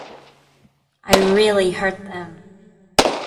I really hurt them.